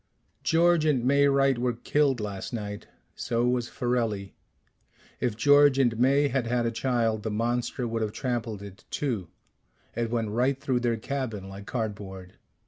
"George and May Wright were killed last night. So was Farelli. If George and May had had a child, the monster would have trampled it too it went right through their cabin like cardboard.